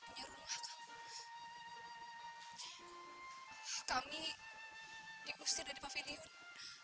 permisi sebentar dulu